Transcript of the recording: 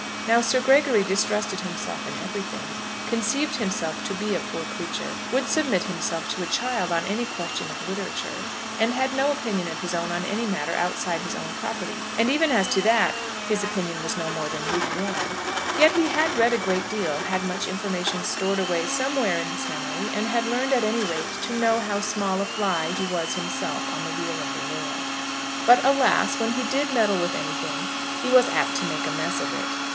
Now Sir Gregory distrusted himself in everything, conceived himself to be a poor creature, would submit himself to a child on any question of literature, and had no opinion of his own on any matter outside his own property, and even as to that his opinion was no more than lukewarm. Yet he read a great deal, had much information stored away somewhere in his memory, and had learned at any rate to know how small a fly he was himself on the wheel of the world. But, alas, when he did meddle with anything he was apt to make a mess of it.